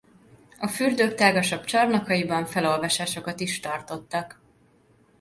A fürdők tágasabb csarnokaiban felolvasásokat is tartottak.